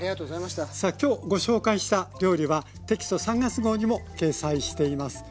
今日ご紹介した料理はテキスト３月号にも掲載しています。